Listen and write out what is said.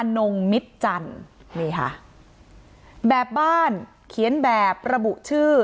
นงมิตจันทร์นี่ค่ะแบบบ้านเขียนแบบระบุชื่อ